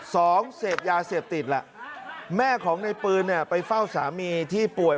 สองเสพยาเสพติดล่ะแม่ของในปืนเนี่ยไปเฝ้าสามีที่ป่วย